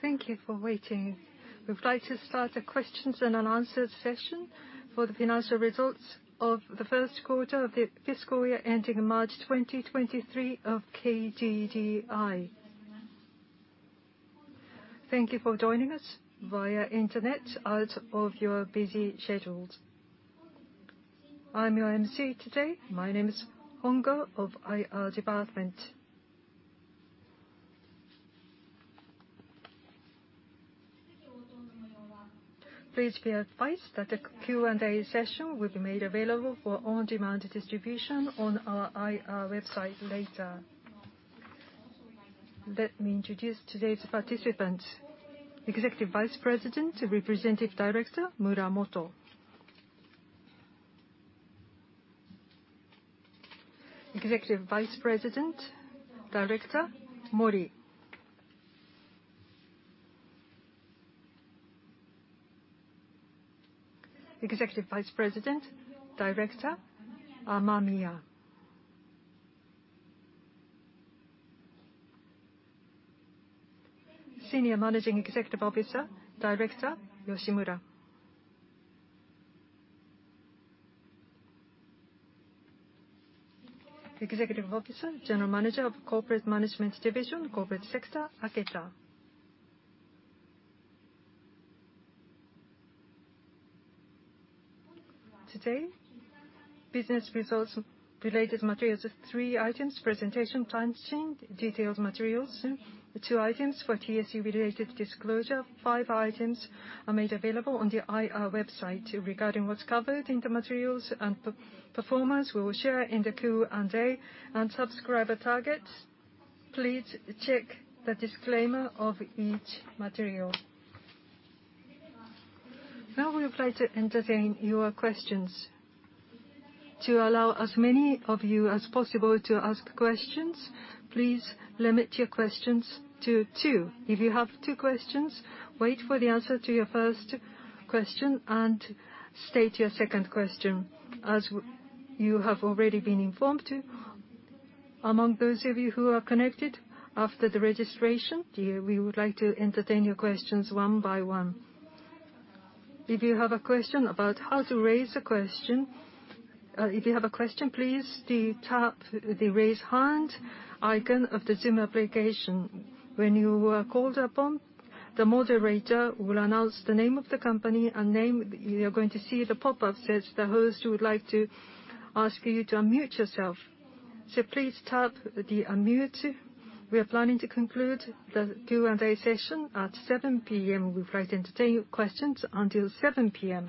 Thank you for waiting. We'd like to start the questions-and-answers session for the Financial Results of the First Quarter of the Fiscal Year Ending March 2023 of KDDI. Thank you for joining us via internet out of your busy schedules. I'm your MC today. My name is Hongou of IR Department. Please be advised that the Q&A session will be made available for on-demand distribution on our IR website later. Let me introduce today's participants. Executive Vice President, Representative Director, Muramoto. Executive Vice President, Director, Mori. Executive Vice President, Director, Amamiya. Senior Managing Executive Officer, Director, Yoshimura. Executive Officer, General Manager of Corporate Management Division, Corporate Sector, Aketa. Today, business results related materials of three items, presentation plans changed, detailed materials, two items for TSU-related disclosure, five items are made available on the IR website regarding what's covered in the materials and per-performance we will share in the Q&A and subscriber targets. Please check the disclaimer of each material. Now we would like to entertain your questions. To allow as many of you as possible to ask questions, please limit your questions to two. If you have two questions, wait for the answer to your first question and state your second question, as you have already been informed. Among those of you who are connected after the registration, we would like to entertain your questions one by one. If you have a question about how to raise a question, if you have a question, please tap the Raise Hand icon of the Zoom application. When you are called upon, the moderator will announce the name of the company and name. You're going to see the pop-up says, "The host would like to ask you to unmute yourself." Please tap the unmute. We are planning to conclude the Q&A session at 7 P.M. We would like to entertain your questions until 7 P.M.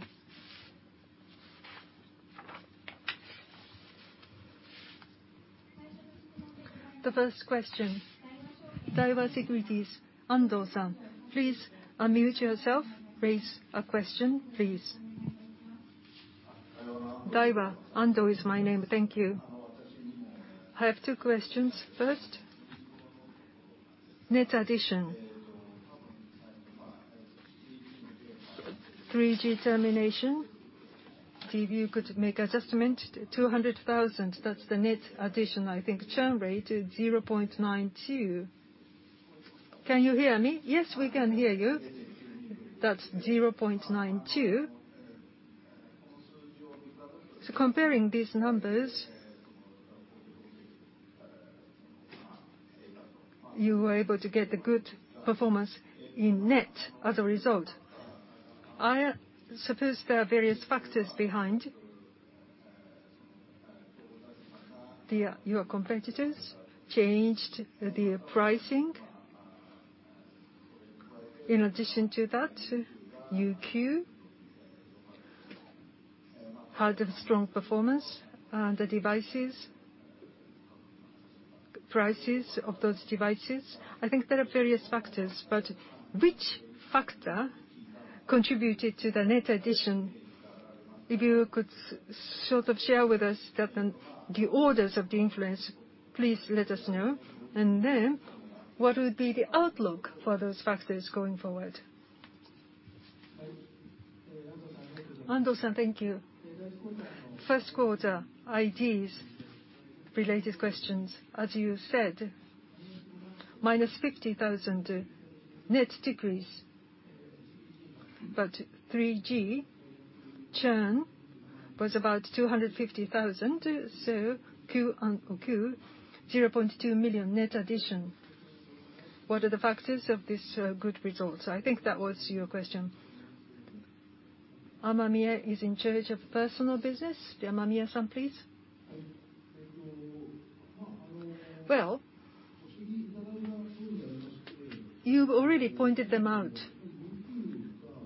The first question, Daiwa Securities, Ando-san, please unmute yourself. Raise a question, please. Daiwa, Ando is my name. Thank you. I have two questions. First, net addition. 3G termination, if you could make a judgment, 200,000, that's the net addition, I think. Churn rate is 0.92%. Can you hear me? Yes, we can hear you. That's 0.92%. Comparing these numbers, you were able to get a good performance in net as a result. I suppose there are various factors behind. Your competitors changed the pricing. In addition to that, UQ had a strong performance, and the devices, prices of those devices. I think there are various factors, but which factor contributed to the net addition? If you could sort of share with us that and the orders of the influence, please let us know. What would be the outlook for those factors going forward? Ando-san, thank you. First quarter IDs related questions. As you said, -50,000 net decrease. 3G churn was about 250,000, so Q-on-Q, 0.2 million net addition. What are the factors of this good results? I think that was your question. Amamiya is in charge of personal business. Amamiya-san, please. Well, you've already pointed them out.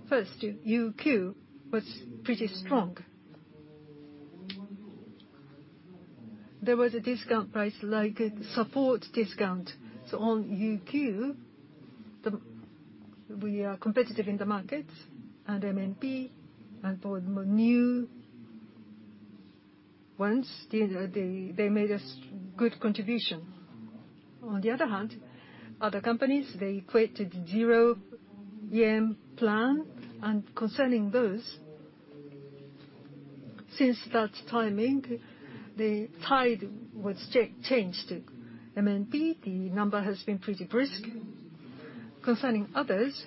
First, UQ was pretty strong. There was a discount price like support discount. On UQ, we are competitive in the market and MNP and for the new ones, they made us good contribution. On the other hand, other companies, they equated zero yen plan. Concerning those, since that timing, the tide was changed to MNP. The number has been pretty brisk. Concerning others,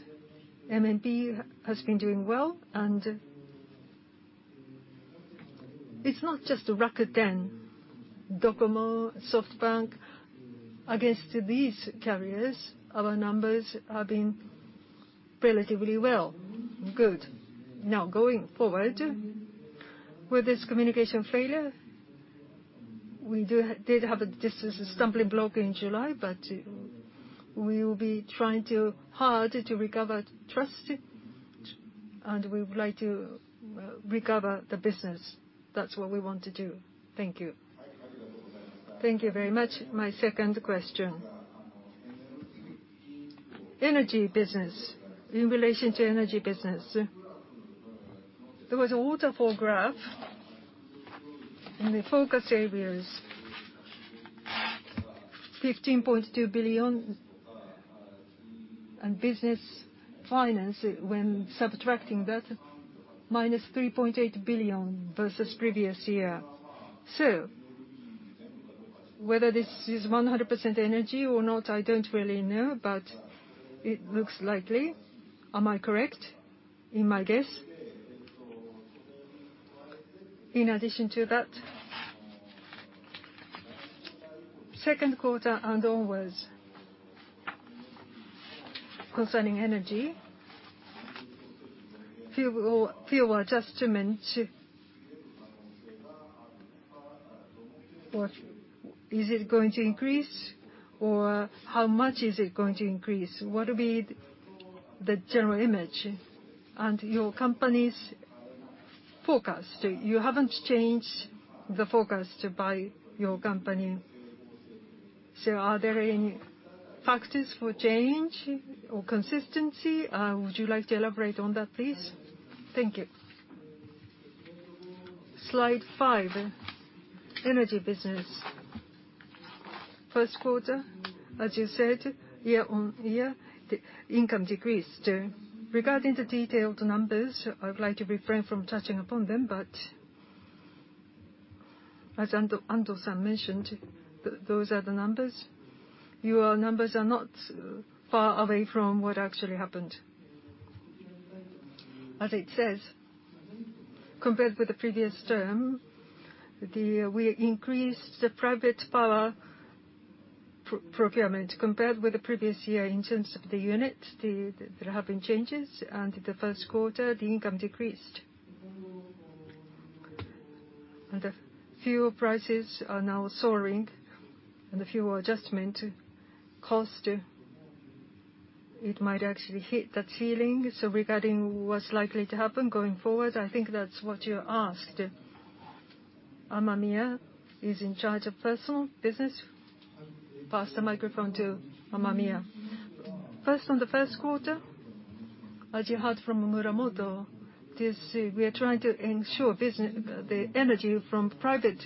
MNP has been doing well, and it's not just Rakuten, Docomo, SoftBank. Against these carriers, our numbers have been relatively well. Good. Now, going forward, with this communication failure, we did have this as a stumbling block in July, but we will be trying hard to recover trust, and we would like to recover the business. That's what we want to do. Thank you. Thank you very much. My second question. Energy business. In relation to energy business, there was a waterfall graph, and the focus area is JPY 15.2 billion, and business finance, when subtracting that, -3.8 billion versus previous year. Whether this is 100% energy or not, I don't really know, but it looks likely. Am I correct in my guess? In addition to that, second quarter and onwards concerning energy, fuel adjustment, what is it going to increase? Or how much is it going to increase? What will be the general image? Your company's forecast, you haven't changed the forecast by your company. Are there any factors for change or consistency? Would you like to elaborate on that, please? Thank you. Slide five, energy business. First quarter, as you said, year-on-year, the income decreased. Regarding the detailed numbers, I would like to refrain from touching upon them, but as Ando-san mentioned, those are the numbers. Your numbers are not far away from what actually happened. As it says, compared with the previous term, we increased the private power procurement. Compared with the previous year in terms of the unit, there have been changes. In the first quarter, the income decreased. The fuel prices are now soaring, and the fuel adjustment cost, it might actually hit the ceiling. Regarding what's likely to happen going forward, I think that's what you asked. Amamiya is in charge of personal business. Pass the microphone to Amamiya. First, on the first quarter, as you heard from Muramoto, we are trying to ensure business, the energy from private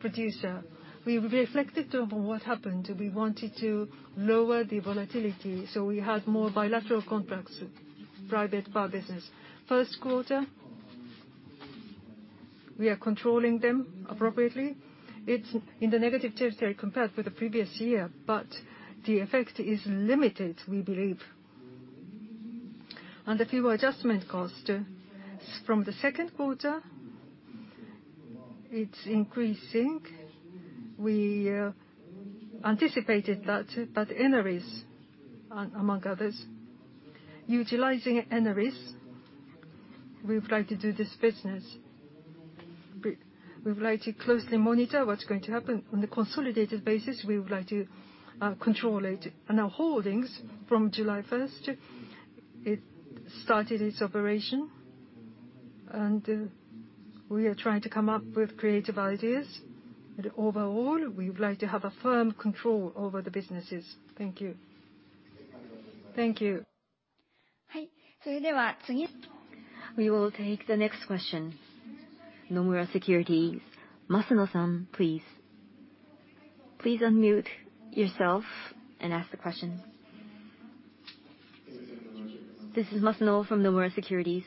producer. We reflected on what happened. We wanted to lower the volatility, so we had more bilateral contracts, private power business. First quarter, we are controlling them appropriately. It's in the negative territory compared with the previous year, but the effect is limited, we believe. The fuel adjustment cost, from the second quarter, it's increasing. We anticipated that, but ENERES, among others, utilizing ENERES, we would like to do this business. We would like to closely monitor what's going to happen. On a consolidated basis, we would like to control it. Our holdings from July 1st, it started its operation, and we are trying to come up with creative ideas. Overall, we would like to have a firm control over the businesses. Thank you. Thank you. We will take the next question. Nomura Securities, Masuno-san, please. Please unmute yourself and ask the question. This is Masuno from Nomura Securities.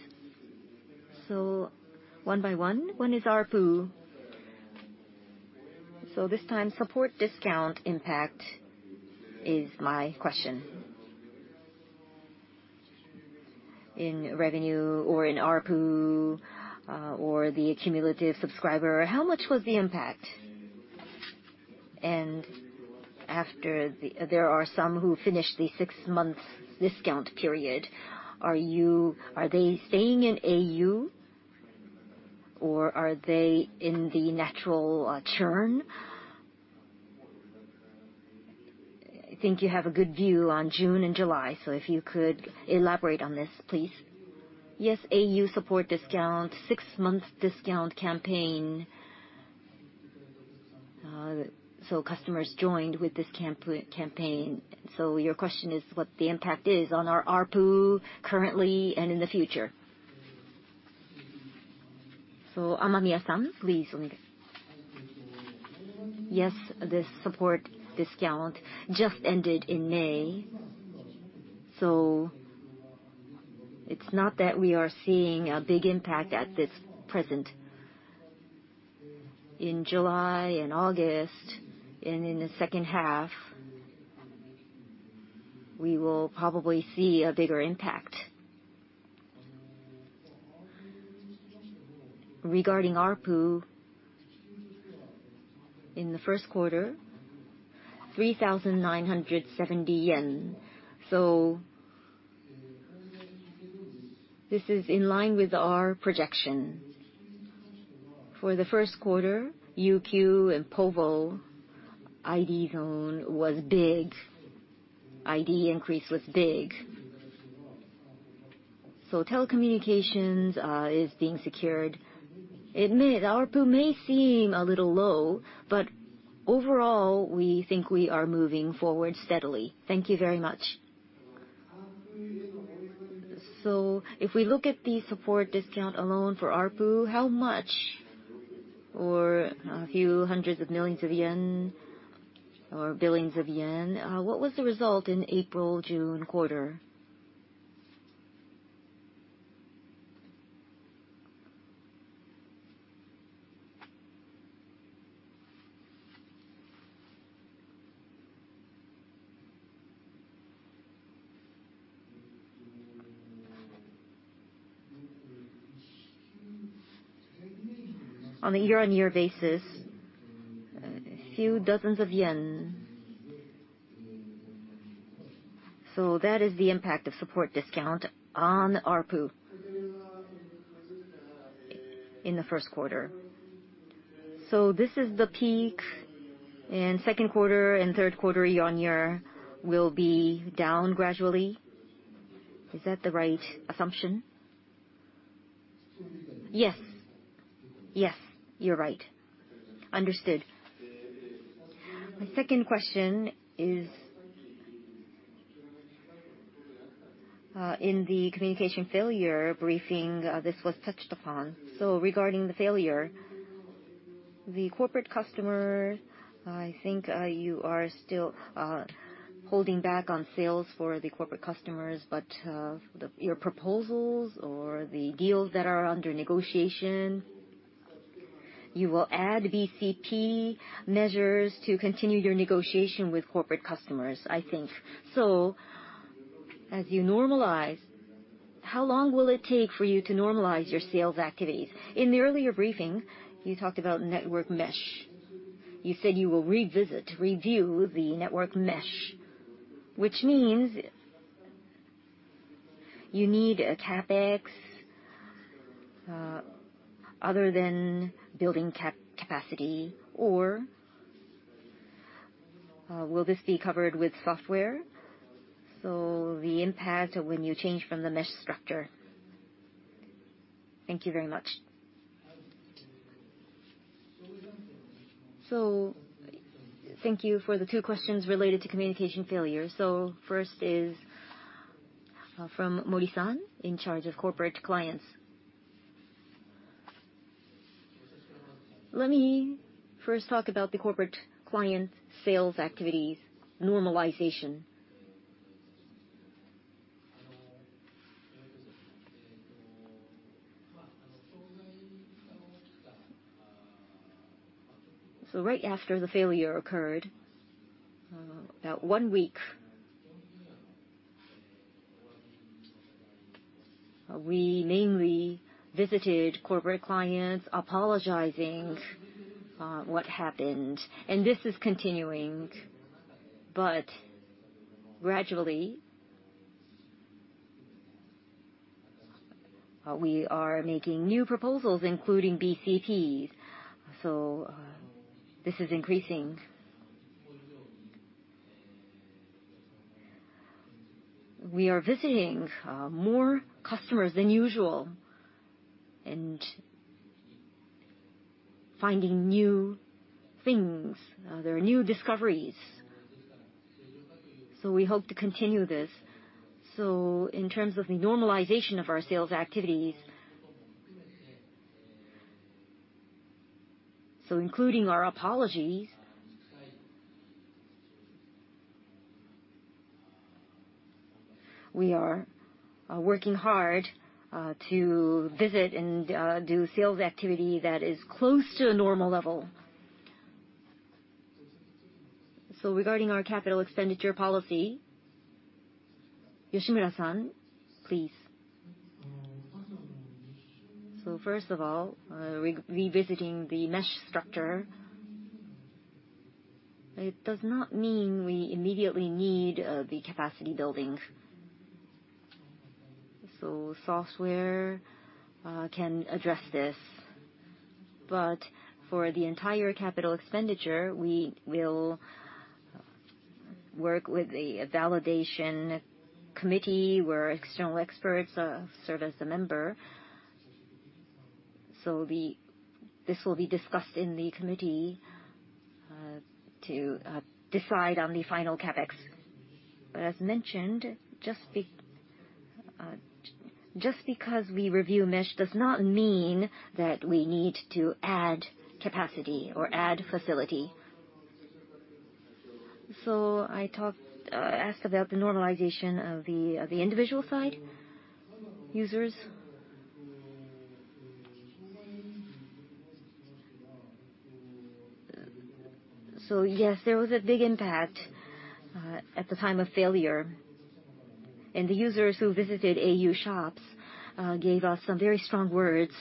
One by one. One is ARPU. This time, support discount impact is my question. In revenue or in ARPU, or the cumulative subscriber, how much was the impact? And after there are some who finished the six-month discount period, are they staying in au or are they in the natural churn? I think you have a good view on June and July, so if you could elaborate on this, please. Yes, au support discount, six-month discount campaign. Customers joined with this campaign. Your question is what the impact is on our ARPU currently and in the future. Amamiya-san, please. Yes, the support discount just ended in May. It's not that we are seeing a big impact at present. In July and August and in the second half, we will probably see a bigger impact. Regarding ARPU, in the first quarter, 3,970 yen. This is in line with our projection. For the first quarter, UQ and Povo, ID zone was big. ID increase was big. Telecommunications is being secured. And the ARPU may seem a little low, but overall, we think we are moving forward steadily. Thank you very much. If we look at the support discount alone for ARPU, how much? Or a few hundred million JPY or billion JPY, what was the result in the April-June quarter? On a year-on-year basis, a few dozen JPY. That is the impact of support discount on ARPU in the first quarter. This is the peak, and second quarter and third quarter year-on-year will be down gradually. Is that the right assumption? Yes. Yes, you're right. Understood. My second question is, in the communication failure briefing, this was touched upon. Regarding the failure, the corporate customer, I think, you are still holding back on sales for the corporate customers, but your proposals or the deals that are under negotiation, you will add BCP measures to continue your negotiation with corporate customers, I think. As you normalize, how long will it take for you to normalize your sales activities? In the earlier briefing, you talked about network mesh. You said you will review the network mesh, which means you need a CapEx other than building capacity. Or, will this be covered with software? The impact when you change from the mesh structure. Thank you very much. Thank you for the two questions related to communication failure. First is from Mori-san in charge of corporate clients. Let me first talk about the corporate client sales activities normalization. Right after the failure occurred, about one week, we mainly visited corporate clients apologizing what happened, and this is continuing. Gradually, we are making new proposals including BCPs. This is increasing. We are visiting more customers than usual and finding new things. There are new discoveries. We hope to continue this. In terms of the normalization of our sales activities, including our apologies, we are working hard to visit and do sales activity that is close to a normal level. Regarding our capital expenditure policy, Yoshimura-san, please. First of all, revisiting the mesh structure, it does not mean we immediately need the capacity building. Software can address this. For the entire capital expenditure, we will work with a validation committee where external experts serve as the member. This will be discussed in the committee to decide on the final CapEx. As mentioned, just be- Just because we review mesh does not mean that we need to add capacity or add facility. I talked, asked about the normalization of the individual side users. Yes, there was a big impact at the time of failure. The users who visited au shops gave us some very strong words.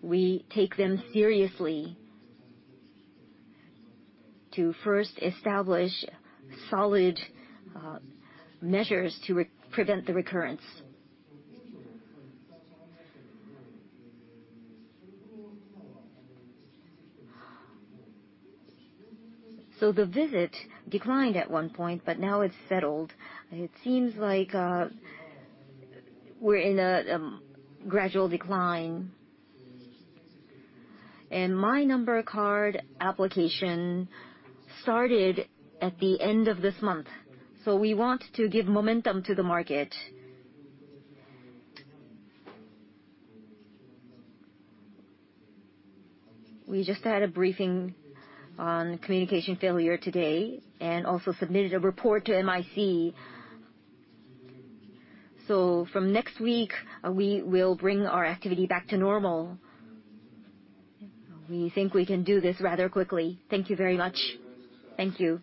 We take them seriously to first establish solid measures to prevent the recurrence. The visit declined at one point, but now it's settled. It seems like we're in a gradual decline. My Number Card application started at the end of this month, so we want to give momentum to the market. We just had a briefing on communication failure today and also submitted a report to MIC. From next week, we will bring our activity back to normal. We think we can do this rather quickly. Thank you very much. Thank you.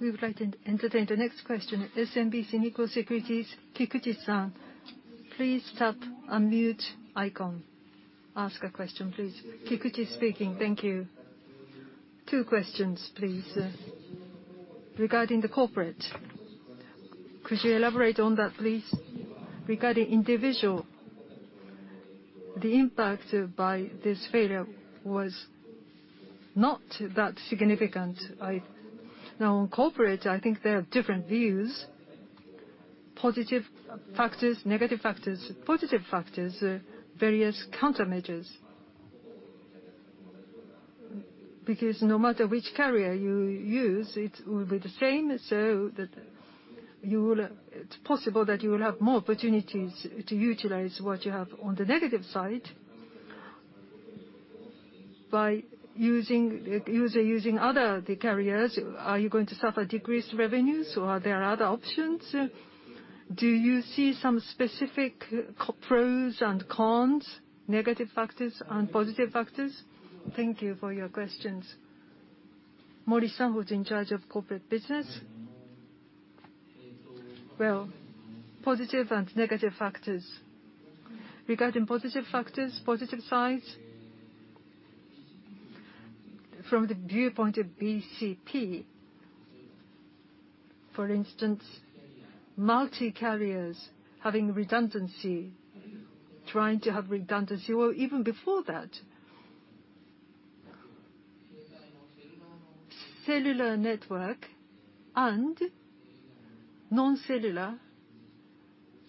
We would like to entertain the next question. SMBC Nikko Securities, Kikuchi-san. Please tap unmute icon. Ask a question, please. Kikuchi speaking. Thank you. Two questions, please. Regarding the corporate, could you elaborate on that, please? Regarding individual, the impact by this failure was not that significant. Now on corporate, I think there are different views, positive factors, negative factors. Positive factors, various countermeasures. Because no matter which carrier you use, it will be the same, so that you will, it's possible that you will have more opportunities to utilize what you have. On the negative side, by users using other carriers, are you going to suffer decreased revenues, or are there other options? Do you see some specific pros and cons, negative factors and positive factors? Thank you for your questions. Mori-san, who's in charge of corporate business? Well, positive and negative factors. Regarding positive factors, positive sides, from the viewpoint of BCP, for instance, multi-carriers having redundancy, trying to have redundancy, or even before that, cellular network and non-cellular,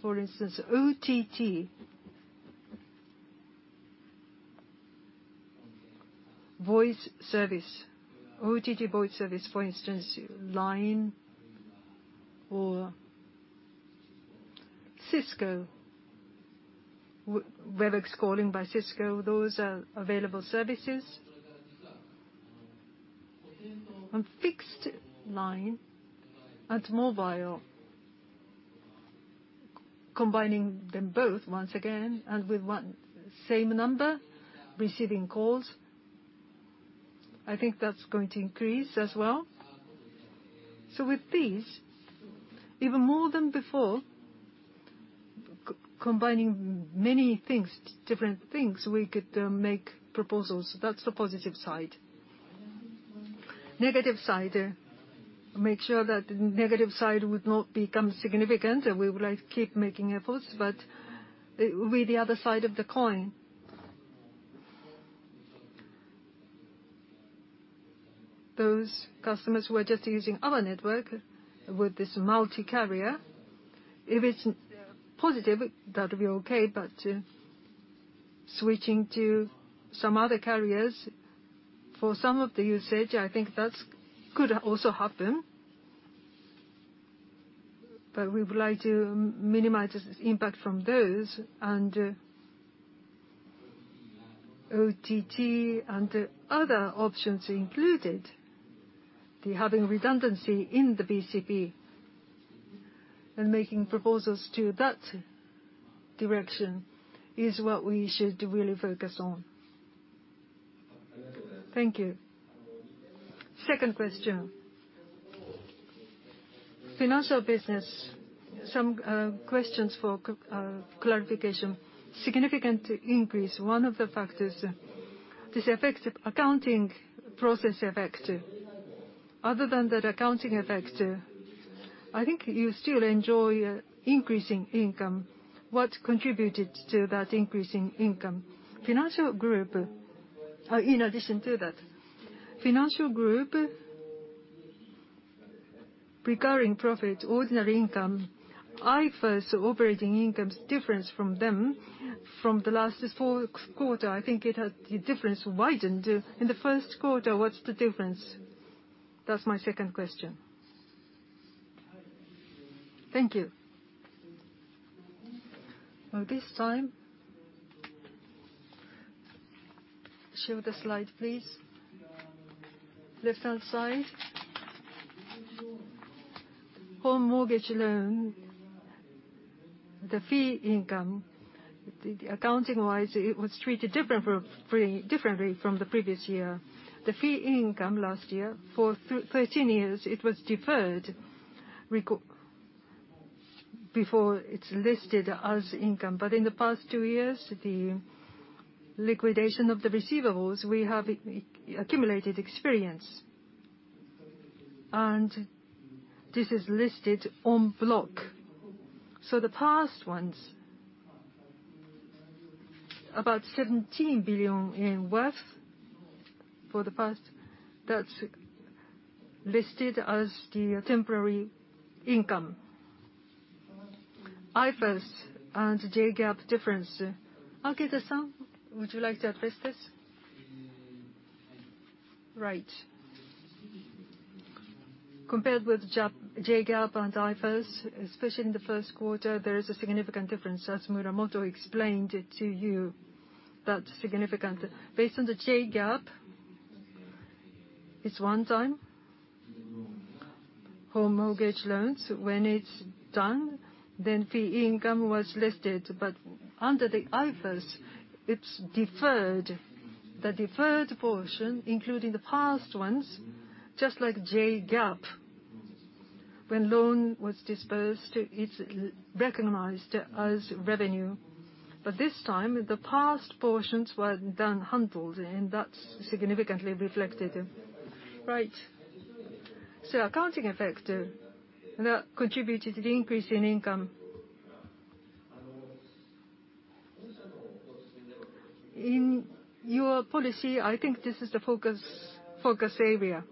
for instance, OTT voice service, for instance, LINE or Cisco, Webex calling by Cisco, those are available services. On fixed line and mobile, combining them both once again and with one same number, receiving calls, I think that's going to increase as well. With these, even more than before, combining many things, different things, we could make proposals. That's the positive side. Negative side, make sure that negative side would not become significant, and we would like to keep making efforts. With the other side of the coin, those customers who are just using our network with this multi-carrier, if it's positive, that would be okay. Switching to some other carriers for some of the usage, I think that could also happen. We would like to minimize the impact from those and OTT and other options included. The having redundancy in the BCP and making proposals to that direction is what we should really focus on. Thank you. Second question. Financial business, some questions for clarification. Significant increase, one of the factors, this affects accounting process effects. Other than that accounting effects, I think you still enjoy increasing income. What contributed to that increasing income? Financial Group, in addition to that, Financial Group recurring profit, ordinary income, IFRS operating income's difference from them from the last fourth quarter, I think it had the difference widened. In the first quarter, what's the difference? That's my second question. Thank you. Well, this time, show the slide, please. Left-hand side. Home mortgage loan, the fee income, the accounting-wise, it was treated differently from the previous year. The fee income last year for 13 years, it was deferred recognition before it's listed as income. In the past two years, the liquidation of the receivables, we have accumulated experience. This is listed en bloc. The past ones, about 17 billion worth for the past, that's listed as the temporary income. IFRS and JGAAP difference. Aketa-san, would you like to address this? Right. Compared with JGAAP and IFRS, especially in the first quarter, there is a significant difference, as Muramoto explained it to you. That's significant. Based on the JGAAP, it's one time home mortgage loans. When it's done, then fee income was listed. But under the IFRS, it's deferred. The deferred portion, including the past ones, just like JGAAP, when loan was dispersed, it's recognized as revenue. But this time, the past portions were then handled, and that's significantly reflected. Right. Accounting effect, that contributed to the increase in income. In your policy, I think this is the focus area.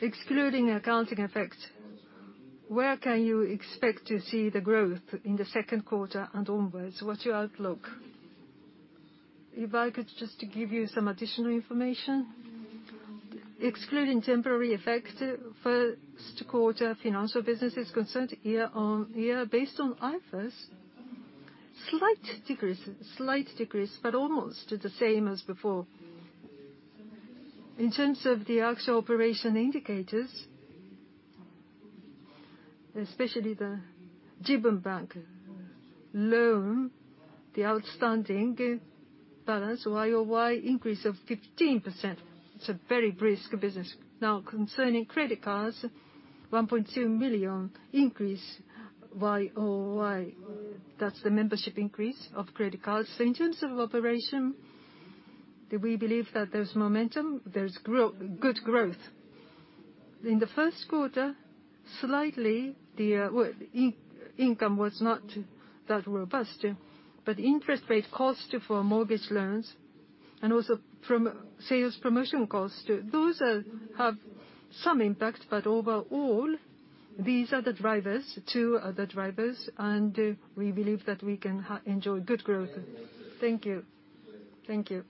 Excluding accounting effect, where can you expect to see the growth in the second quarter and onwards? What's your outlook? If I could just give you some additional information. Excluding temporary effect, first quarter financial business is concerned year-on-year based on IFRS, slight decrease, but almost the same as before. In terms of the actual operation indicators, especially the Jibun Bank loan, the outstanding balance Y-o-Y increase of 15%. It's a very brisk business. Now, concerning credit cards, 1.2 million increase Y-o-Y. That's the membership increase of credit cards. In terms of operation, we believe that there's momentum, there's good growth. In the first quarter, slightly the income was not that robust. Interest rate cost for mortgage loans and also from sales promotion cost, those have some impact. Overall, these are the drivers, and we believe that we can enjoy good growth. Thank you. Thank you.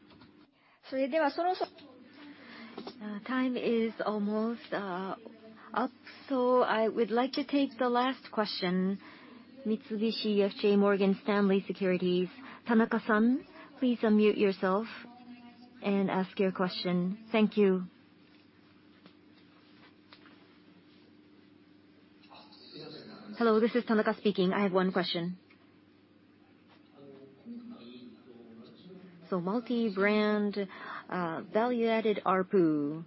Time is almost up, so I would like to take the last question. Mitsubishi UFJ Morgan Stanley Securities, Tanaka-san, please unmute yourself and ask your question. Thank you. Hello, this is Tanaka speaking. I have one question. Multi-brand, value-added ARPU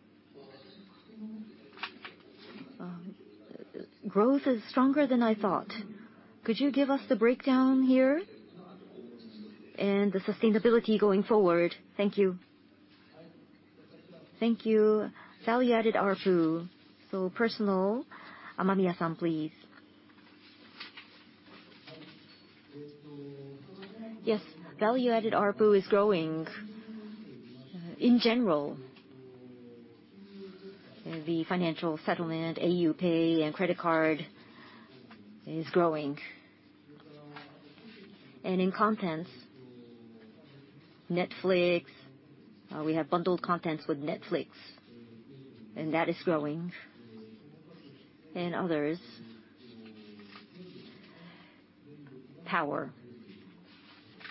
growth is stronger than I thought. Could you give us the breakdown here and the sustainability going forward? Thank you. Thank you. Value-added ARPU. Personal, Amamiya-san, please. Yes. Value-added ARPU is growing. In general, the financial settlement, au PAY, and credit card is growing. In contents, Netflix, we have bundled contents with Netflix, and that is growing. Others, power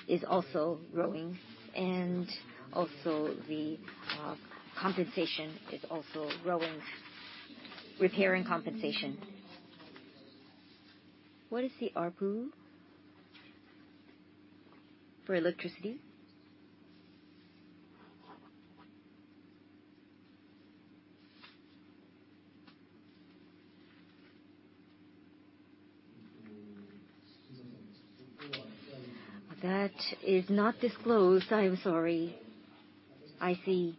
is also growing. Compensation is also growing, repair and compensation. What is the ARPU for electricity? That is not disclosed. I'm sorry. I see.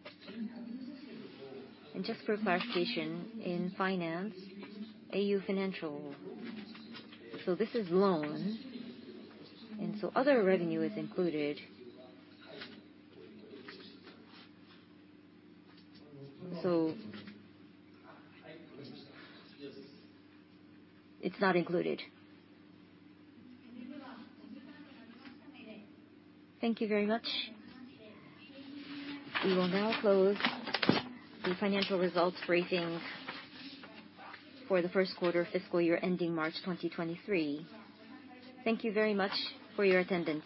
Just for clarification, in finance, au Financial, this is loan, and other revenue is included. It's not included. Thank you very much. We will now close the financial results briefing for the first quarter fiscal year ending March 2023. Thank you very much for your attendance.